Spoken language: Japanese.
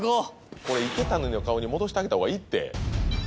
これ池谷さんの顔に戻してあげたほうがいいって。